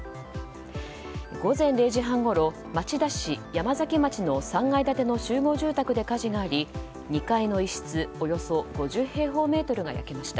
午前０時半ごろ、町田市山崎町の３階建ての集合住宅で火事があり、２階の一室およそ５０平方メートルが焼けました。